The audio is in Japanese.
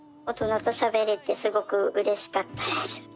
大人としゃべれてすごくうれしかったです。